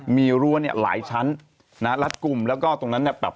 มีรั้วหลายชั้นรัฐกลุ่มแล้วก็ตรงนั้น